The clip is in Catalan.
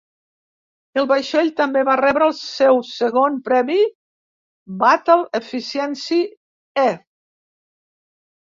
El vaixell també va rebre el seu segon premi "Battle Efficiency "E"".